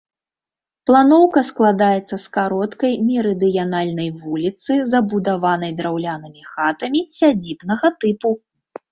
Планоўка складаецца з кароткай мерыдыянальнай вуліцы, забудаванай драўлянымі хатамі сядзібнага тыпу.